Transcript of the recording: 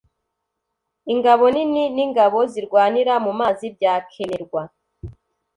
Ingabo nini n’ingabo zirwanira mu mazi byakenerwa.